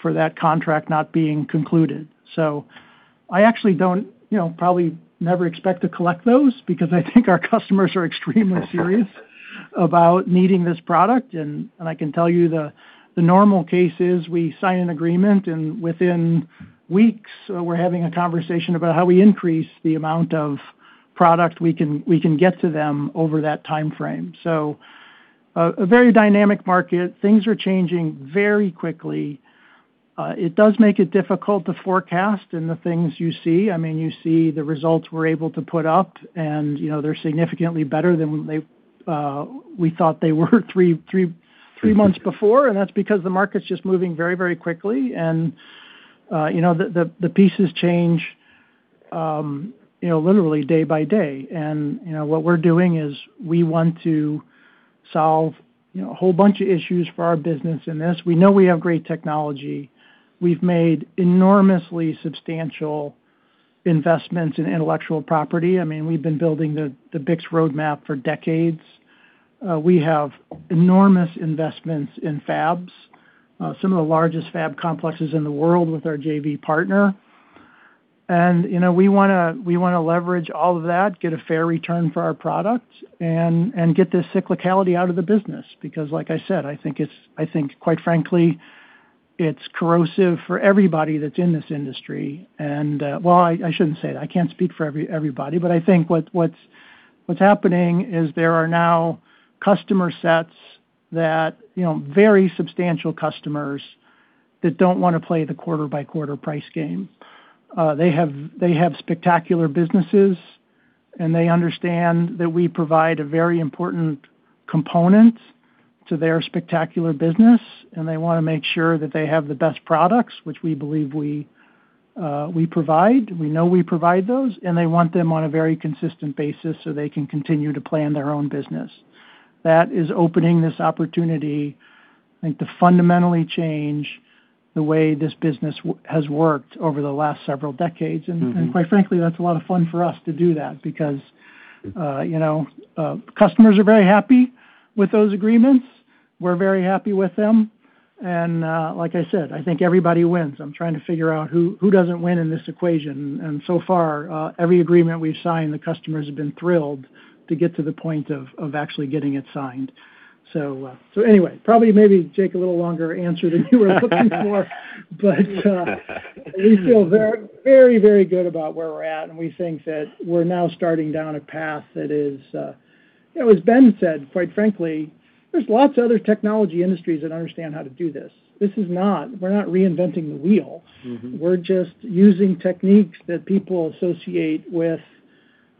for that contract not being concluded. I actually don't, you know, probably never expect to collect those because I think our customers are extremely serious about needing this product. I can tell you the normal case is we sign an agreement, and within weeks, we're having a conversation about how we increase the amount of product we can get to them over that timeframe. A very dynamic market. Things are changing very quickly. It does make it difficult to forecast in the things you see. I mean, you see the results we're able to put up and, you know, they're significantly better than they, we thought they were three months before. That's because the market's just moving very, very quickly. You know, the pieces change, literally day by day. You know, what we're doing is we want to solve, you know, a whole bunch of issues for our business in this. We know we have great technology. We've made enormously substantial investments in intellectual property. I mean, we've been building the BiCS8 roadmap for decades. We have enormous investments in fabs, some of the largest fab complexes in the world with our JV partner. You know, we wanna leverage all of that, get a fair return for our product and get the cyclicality out of the business because like I said, I think quite frankly, it's corrosive for everybody that's in this industry. Well, I shouldn't say that. I can't speak for everybody, but I think what's happening is there are now customer sets that, you know, very substantial customers that don't wanna play the quarter by quarter price game. They have spectacular businesses, and they understand that we provide a very important component to their spectacular business, and they wanna make sure that they have the best products, which we believe we provide. We know we provide those, and they want them on a very consistent basis so they can continue to plan their own business. That is opening this opportunity, I think, to fundamentally change the way this business has worked over the last several decades. Mm-hmm. Quite frankly, that's a lot of fun for us to do that because, you know, customers are very happy with those agreements. We're very happy with them. Like I said, I think everybody wins. I'm trying to figure out who doesn't win in this equation. So far, every agreement we've signed, the customers have been thrilled to get to the point of actually getting it signed. Anyway, probably maybe take a little longer answer than you were looking for. We feel very, very, very good about where we're at, and we think that we're now starting down a path that is, you know, as Ben said, quite frankly, there's lots of other technology industries that understand how to do this. We're not reinventing the wheel. Mm-hmm. We're just using techniques that people associate with,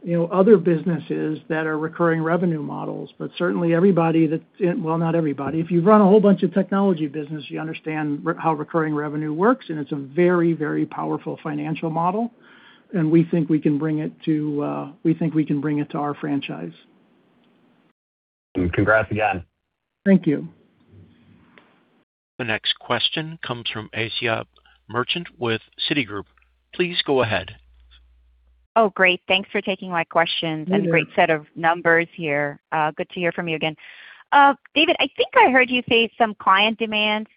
you know, other businesses that are recurring revenue models. Certainly everybody that's in. Well, not everybody. If you run a whole bunch of technology business, you understand how recurring revenue works, and it's a very, very powerful financial model. We think we can bring it to, we think we can bring it to our franchise. Congrats again. Thank you. The next question comes from Asiya Merchant with Citigroup. Please go ahead. Oh, great. Thanks for taking my questions. Yeah. Great set of numbers here. Good to hear from you again. David, I think I heard you say some client demands,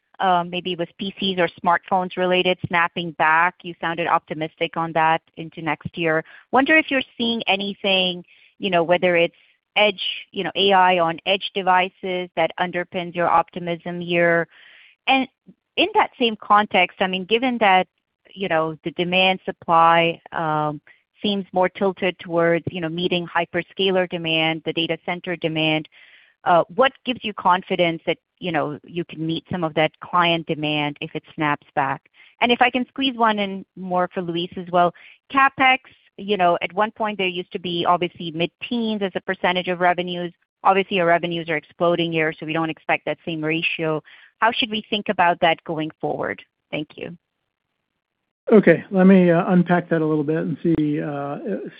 maybe with PCs or smartphones related snapping back. You sounded optimistic on that into next year. Wonder if you're seeing anything, you know, whether it's edge, you know, AI on edge devices that underpins your optimism here. In that same context, I mean, given that, you know, the demand supply, seems more tilted towards, you know, meeting hyperscaler demand, the data center demand, what gives you confidence that, you know, you can meet some of that client demand if it snaps back? If I can squeeze one in more for Luis as well. CapEx, you know, at one point there used to be obviously mid-teens as a percentange of revenues. Obviously, your revenues are exploding here. We don't expect that same ratio. How should we think about that going forward? Thank you. Okay, let me unpack that a little bit and see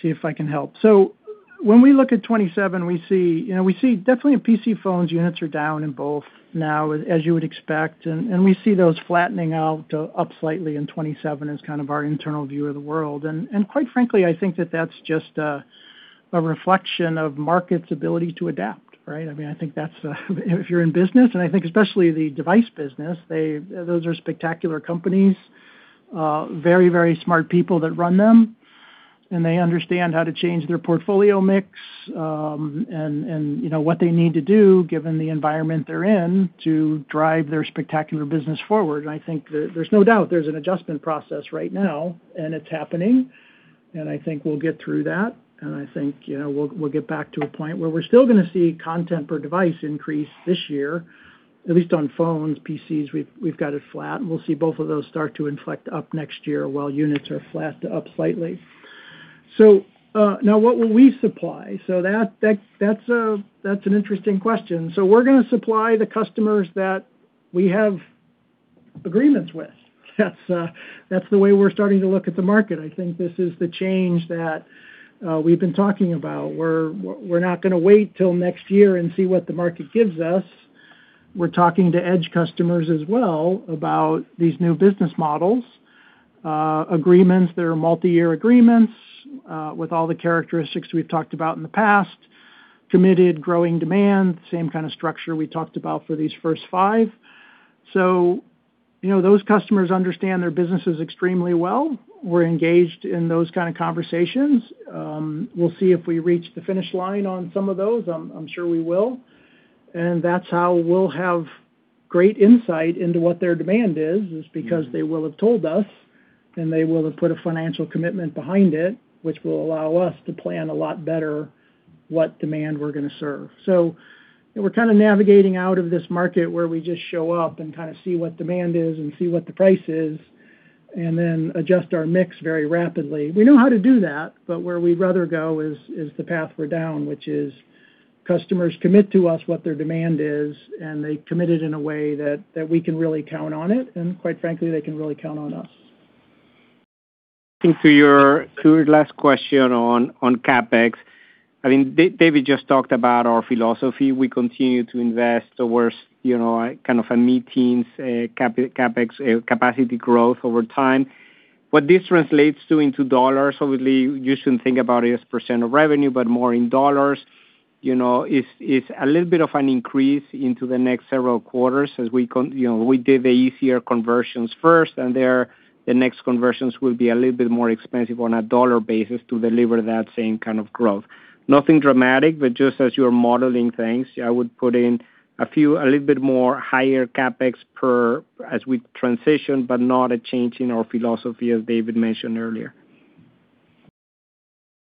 if I can help. When we look at 2027, we see, you know, we see definitely in PC phones, units are down in both now as you would expect, and we see those flattening out, up slightly in 2027 as kind of our internal view of the world. Quite frankly, I think that that's just a reflection of market's ability to adapt, right? I mean, I think that's, if you're in business, and I think especially the device business, those are spectacular companies. Very, very smart people that run them, and they understand how to change their portfolio mix, and, you know, what they need to do given the environment they're in to drive their spectacular business forward. I think there's no doubt there's an adjustment process right now, and it's happening. I think we'll get through that, and I think, you know, we'll get back to a point where we're still gonna see content per device increase this year, at least on phones. PCs, we've got it flat, and we'll see both of those start to inflect up next year while units are flat to up slightly. Now what will we supply? That's an interesting question. We're gonna supply the customers that we have agreements with. That's the way we're starting to look at the market. I think this is the change that we've been talking about. We're not gonna wait till next year and see what the market gives us. We're talking to edge customers as well about these New Business Models, agreements that are multi-year agreements, with all the characteristics we've talked about in the past, committed growing demand, same kind of structure we talked about for these first five. You know, those customers understand their businesses extremely well. We're engaged in those kind of conversations. We'll see if we reach the finish line on some of those. I'm sure we will. That's how we'll have great insight into what their demand is because they will have told us, and they will have put a financial commitment behind it, which will allow us to plan a lot better what demand we're gonna serve. You know, we're kind of navigating out of this market where we just show up and kind of see what demand is and see what the price is, and then adjust our mix very rapidly. We know how to do that. Where we'd rather go is the path we're down, which is customers commit to us what their demand is, and they commit it in a way that we can really count on it, and quite frankly, they can really count on us. I think to your, to your last question on CapEx, I mean, David just talked about our philosophy. We continue to invest towards, you know, a kind of a mid-teens CapEx capacity growth over time. What this translates to into dollars, obviously you shouldn't think about it as percent of revenue, but more in dollars, you know, is a little bit of an increase into the next several quarters as we, you know, we did the easier conversions first, and there, the next conversions will be a little bit more expensive on a dollar basis to deliver that same kind of growth. Nothing dramatic, but just as you are modeling things, I would put in a few, a little bit more higher CapEx per as we transition, but not a change in our philosophy, as David mentioned earlier.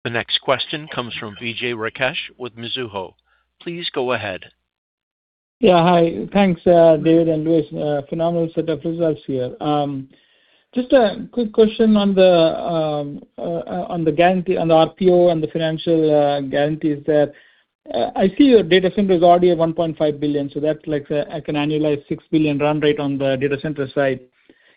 The next question comes from Vijay Rakesh with Mizuho. Please go ahead. Yeah, hi. Thanks, David and Luis. Phenomenal set of results here. Just a quick question on the guarantee, on the RPO and the financial guarantees there. I see your data center is already at $1.5 billion, so that's like I can annualize $6 billion run rate on the data center side.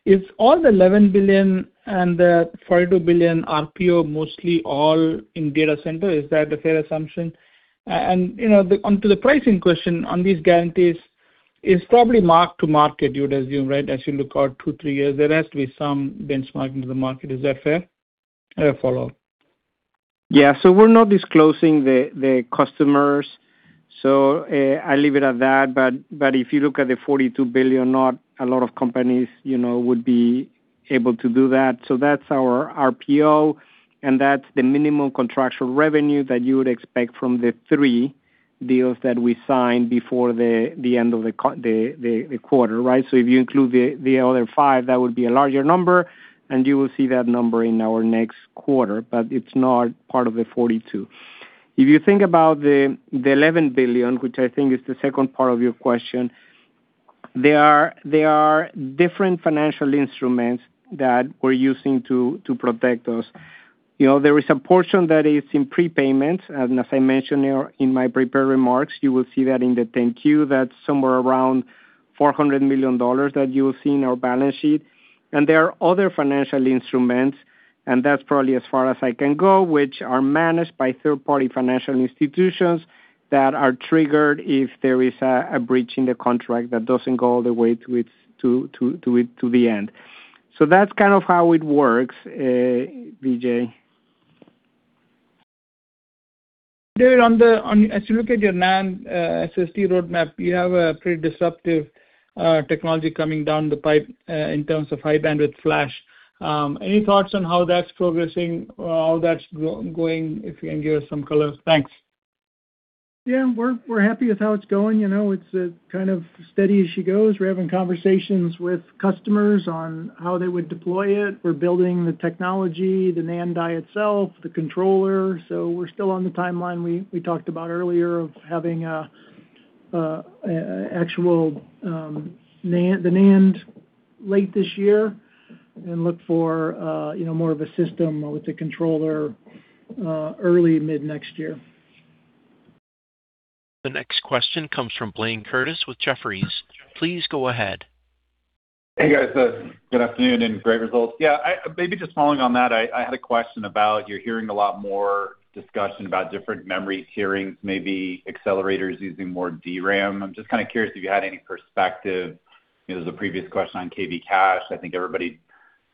Is all the $11 billion and the $42 billion RPO mostly all in data center? Is that a fair assumption? You know, onto the pricing question on these guarantees, it's probably mark to market, you'd assume, right? As you look out two, three years, there has to be some benchmarking to the market. Is that fair? I have a follow-up. Yeah. We're not disclosing the customers, so, I leave it at that. If you look at the $42 billion, not a lot of companies, you know, would be able to do that. That's our RPO, and that's the minimum contractual revenue that you would expect from the three deals that we signed before the end of the quarter, right? If you include the other five, that would be a larger number, and you will see that number in our next quarter, but it's not part of the $42 billion. If you think about the $11 billion, which I think is the second part of your question, there are different financial instruments that we're using to protect us. You know, there is a portion that is in prepayments. As I mentioned here in my prepared remarks, you will see that in the 10-Q. That's somewhere around $400 million that you will see in our balance sheet. There are other financial instruments, and that's probably as far as I can go, which are managed by third-party financial institutions that are triggered if there is a breach in the contract that doesn't go all the way to the end. That's kind of how it works, Vijay. David, as you look at your NAND SSD roadmap, you have a pretty disruptive technology coming down the pipe in terms of High Bandwidth Flash. Any thoughts on how that's progressing or how that's going, if you can give us some color? Thanks. Yeah. We're happy with how it's going. You know, it's kind of steady as she goes. We're having conversations with customers on how they would deploy it. We're building the technology, the NAND die itself, the controller. We're still on the timeline we talked about earlier of having a actual NAND, the NAND late this year and look for, you know, more of a system with the controller early mid next year. The next question comes from Blayne Curtis with Jefferies. Please go ahead. Hey, guys. Good afternoon and great results. Yeah. Maybe just following on that, I had a question about you're hearing a lot more discussion about different memory tierings, maybe accelerators using more DRAM. I'm just kind of curious if you had any perspective. There was a previous question on KV cache. I think everybody,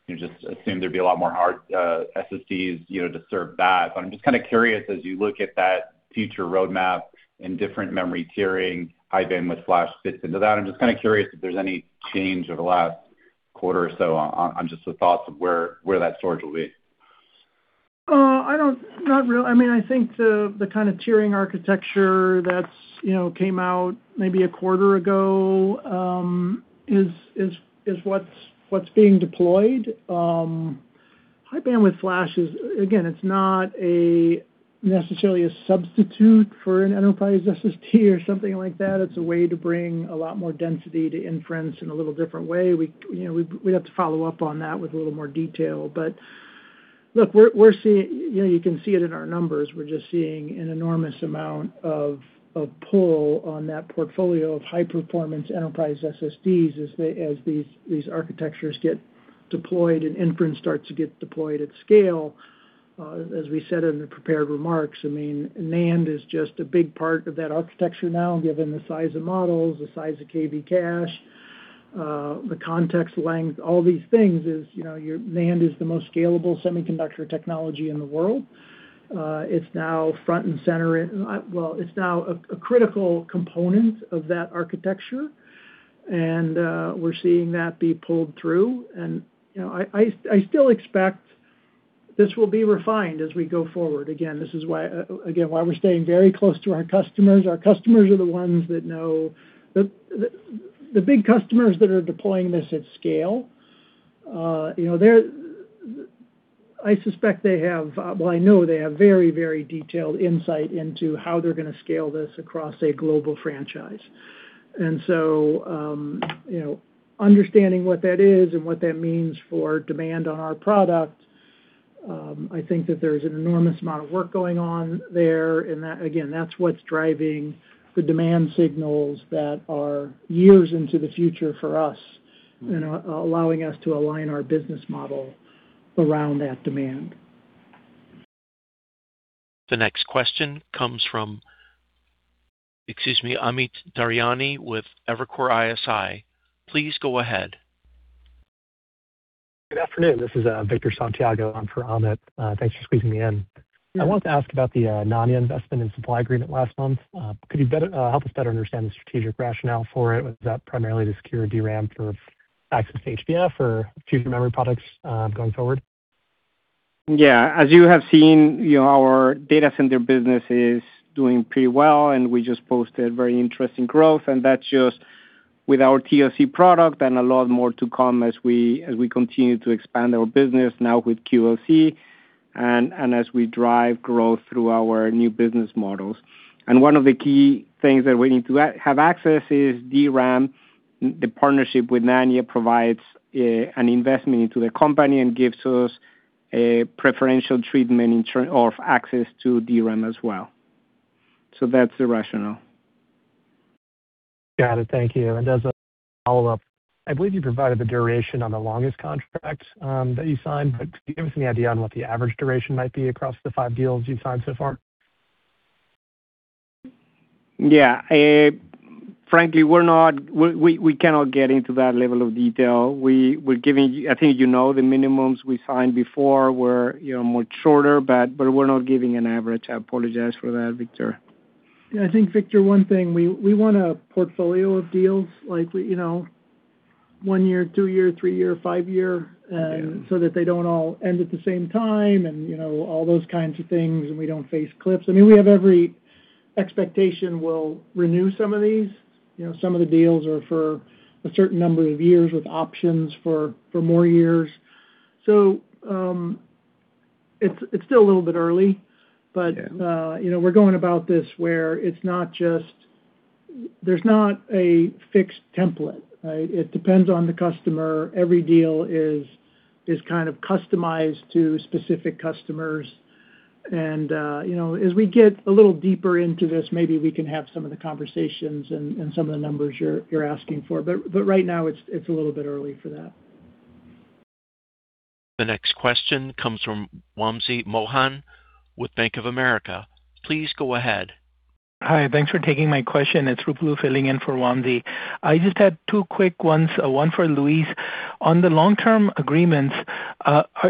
you know, just assumed there'd be a lot more hard SSDs, you know, to serve that. I'm just kind of curious, as you look at that future roadmap and different memory tiering, High Bandwidth Flash fits into that, I'm just kind of curious if there's any change over the last quarter or so on just the thoughts of where that storage will be. I mean, I think the kind of tiering architecture that's, you know, came out maybe a quarter ago, is what's being deployed. High Bandwidth Flash is, again, it's not a, necessarily a substitute for an enterprise SSD or something like that. It's a way to bring a lot more density to inference in a little different way. We, you know, we'd have to follow up on that with a little more detail. Look, we're seeing, you know, you can see it in our numbers. We're just seeing an enormous amount of pull on that portfolio of high performance enterprise SSDs as these architectures get deployed and inference starts to get deployed at scale. As we said in the prepared remarks, I mean, NAND is just a big part of that architecture now, given the size of models, the size of KV cache, the context length, all these things is, you know, your NAND is the most scalable semiconductor technology in the world. It's now front and center. It, well, it's now a critical component of that architecture, and we're seeing that be pulled through. You know, I still expect this will be refined as we go forward. Again, this is why, again, why we're staying very close to our customers. Our customers are the ones that know. The big customers that are deploying this at scale, I know they have very, very detailed insight into how they're gonna scale this across a global franchise. Understanding what that is and what that means for demand on our product, I think that there's an enormous amount of work going on there. That, again, that's what's driving the demand signals that are years into the future for us and allowing us to align our business model around that demand. The next question comes from, excuse me, Amit Daryanani with Evercore ISI. Please go ahead. Good afternoon. This is Victor Santiago on for Amit. Thanks for squeezing me in. I wanted to ask about the Nanya investment and supply agreement last month. Could you better help us better understand the strategic rationale for it? Was that primarily to secure DRAM for access to HBF or future memory products going forward? Yeah. As you have seen, you know, our data center business is doing pretty well, and we just posted very interesting growth, and that's just with our TLC product and a lot more to come as we continue to expand our business now with QLC, and as we drive growth through our new business models. One of the key things that we need to have access is DRAM. The partnership with Nanya Technologies provides an investment into the company and gives us a preferential treatment in term of access to DRAM as well. That's the rationale. Got it. Thank you. As a follow-up, I believe you provided the duration on the longest contract that you signed, but can you give us any idea on what the average duration might be across the five deals you've signed so far? Yeah. Frankly, we're not, we cannot get into that level of detail. We're giving, I think you know the minimums we signed before were, you know, much shorter, but we're not giving an average. I apologize for that, Victor. Yeah, I think, Victor, one thing, we want a portfolio of deals, like, you know, one year, two year, three year, five year. So that they don't all end at the same time and, you know, all those kinds of things, and we don't face cliffs. I mean, we have every expectation we'll renew some of these. You know, some of the deals are for a certain number of years with options for more years. It's still a little bit early, but. Yeah. you know, we're going about this where There's not a fixed template, right? It depends on the customer. Every deal is kind of customized to specific customers. you know, as we get a little deeper into this, maybe we can have some of the conversations and some of the numbers you're asking for. Right now, it's a little bit early for that. The next question comes from Wamsi Mohan with Bank of America. Please go ahead. Hi. Thanks for taking my question. It's Ruplu Bhattacharya filling in for Wamsi. I just had two quick ones, one for Luis. On the long-term agreements,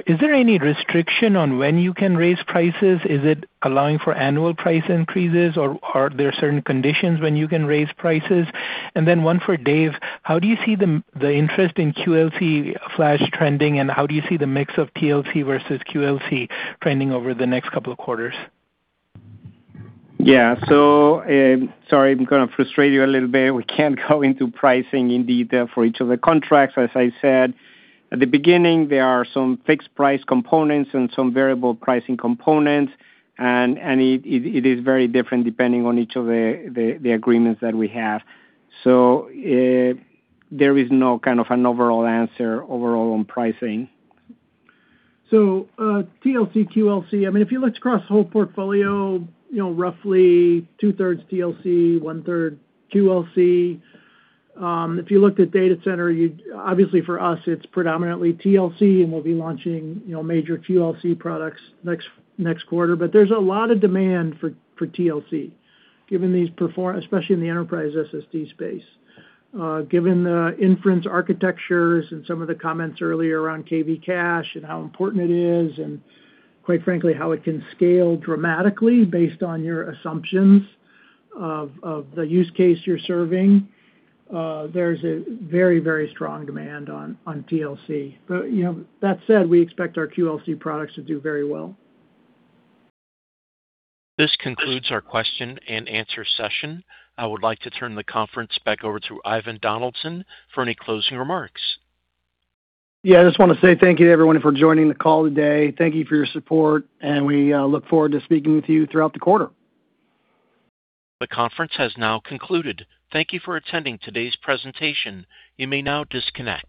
is there any restriction on when you can raise prices? Is it allowing for annual price increases, or are there certain conditions when you can raise prices? One for David: How do you see the interest in QLC flash trending, and how do you see the mix of TLC versus QLC trending over the next couple of quarters? Sorry, I'm gonna frustrate you a little bit. We can't go into pricing in detail for each of the contracts. As I said at the beginning, there are some fixed price components and some variable pricing components and it is very different depending on each of the agreements that we have. There is no kind of an overall answer overall on pricing. TLC, QLC, I mean, if you looked across the whole portfolio, you know, roughly two-thirds TLC, one-third QLC. If you looked at data center, obviously, for us, it's predominantly TLC, and we'll be launching, you know, major QLC products next quarter. There's a lot of demand for TLC given these, especially in the enterprise SSD space. Given the inference architectures and some of the comments earlier around KV cache and how important it is, and quite frankly, how it can scale dramatically based on your assumptions of the use case you're serving, there's a very strong demand on TLC. You know, that said, we expect our QLC products to do very well. This concludes our question and answer session. I would like to turn the conference back over to Ivan Donaldson for any closing remarks. Yeah. I just wanna say thank you to everyone for joining the call today. Thank you for your support, and we look forward to speaking with you throughout the quarter. The conference has now concluded. Thank you for attending today's presentation. You may now disconnect.